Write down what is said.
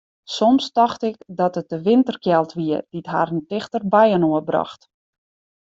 Soms tocht ik dat it de winterkjeld wie dy't harren tichter byinoar brocht.